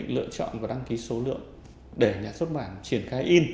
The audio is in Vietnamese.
lựa chọn và đăng ký số lượng để nhà xuất bản triển khai in